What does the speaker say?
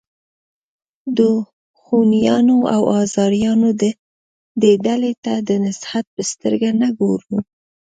د خونیانو او آزاریانو دې ډلې ته د نهضت په سترګه نه ګورو.